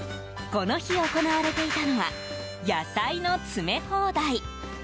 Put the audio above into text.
この日行われていたのは野菜の詰め放題。